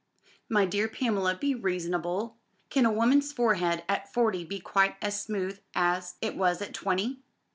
"My dear Pamela, be reasonable. Can a woman's forehead at forty be quite as smooth as it was at twenty?